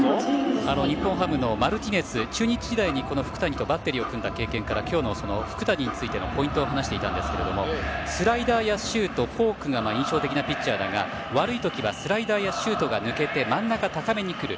日本ハムのマルティネス中日時代に福谷とバッテリーを組んだ経験から今日の福谷についてのポイントを話していたんですがスライダーやシュートフォークが印象的なピッチャーだが悪い時はスライダーやシュートが抜けて真ん中高めに来る。